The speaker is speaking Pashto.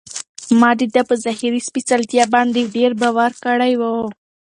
ما د ده په ظاهري سپېڅلتیا باندې ډېر باور کړی و.